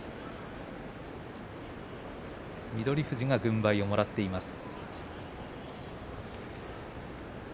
富士が軍配をもらっています。